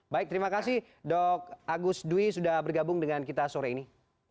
baik terima kasih dok agus dwi sudah bergabung dengan kita sore ini